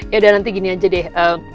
ya udah nanti gini aja deh